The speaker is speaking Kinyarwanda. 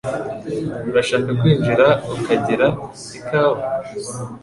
Urashaka kwinjira ukagira ikawa?